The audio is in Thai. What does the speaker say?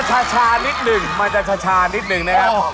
ชานิดหนึ่งมันจะชานิดนึงนะครับ